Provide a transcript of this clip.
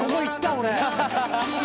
俺。